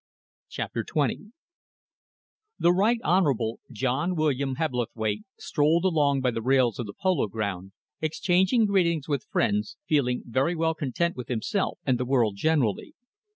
CHAPTER XX The Right Honourable John William Hebblethwaite strolled along by the rails of the polo ground, exchanging greetings with friends, feeling very well content with himself and the world generally.